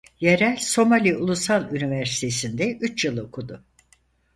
Yerel Somali Ulusal Üniversitesi'nde üç yıl okudu.